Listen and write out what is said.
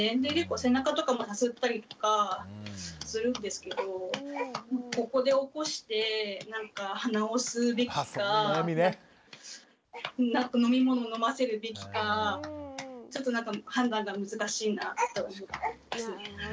背中とかもさすったりとかするんですけどここで起こして鼻を吸うべきか何か飲み物を飲ませるべきかちょっと判断が難しいなと思いますね。